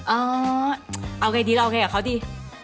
เออเอาไงดีเราเอาไงกับเขาดี